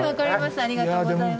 ありがとうございます。